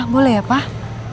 boleh ya pak